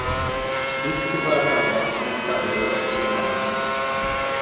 Disse que vai acabar com a minha carreira profissional